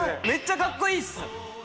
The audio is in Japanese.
めっちゃカッコいいっす。